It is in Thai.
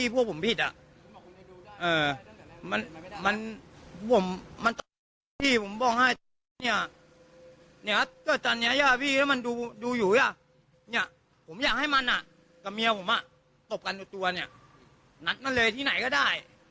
ผมอยากให้มันกับเมียผมตบกันดูตัวเนี่ยนัดมันเลยที่ไหนก็ได้